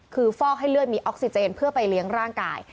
คือฟอกให้เลือดมีออกซิเจนเพื่อไปเลี้ยงร่างกาย